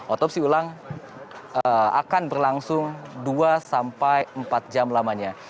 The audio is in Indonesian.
otopsi ulang akan berlangsung dua sampai empat jam lamanya